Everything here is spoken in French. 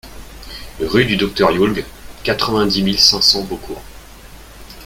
Rue du Docteur Julg, quatre-vingt-dix mille cinq cents Beaucourt